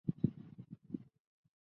它通常结合催产素作为子宫收缩剂。